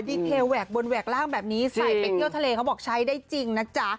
ดีเทลแหวกบนแหวกล่างแบบนี้ใส่ไปเที่ยวทะเลเขาบอกใช้ได้จริงนะจ๊ะ